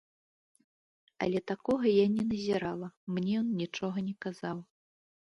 Але такога я не назірала, мне ён нічога не казаў.